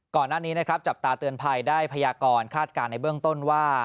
ก่อนหน้านี้นะครับจับตาเตือนภัยได้พยากรคาดการณ์ในเบื้องต้นว่า